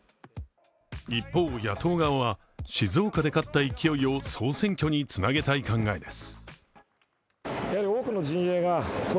一方、野党側は静岡で勝った勢いを総選挙につなげたい考えです。